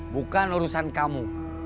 bukan urusan kamu